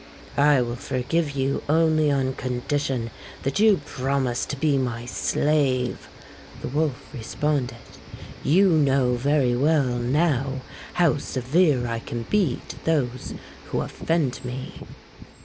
"I will forgive you only on condition that you promise to be my slave," the wolf re sponded. "You know very well now how severe I can be to those who offend me."